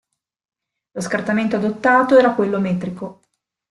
Lo scartamento adottato era quello metrico.